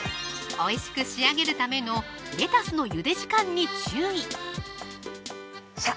おいしく仕上げるためのレタスのゆで時間に注意さぁ